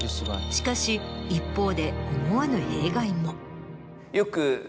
しかし一方で思わぬ弊害も。